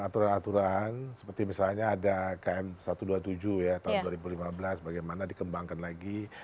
aturan aturan seperti misalnya ada km satu ratus dua puluh tujuh ya tahun dua ribu lima belas bagaimana dikembangkan lagi